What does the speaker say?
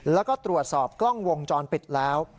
แล้วก็ตรวจสอบกล้องวงจรปิดแล้ว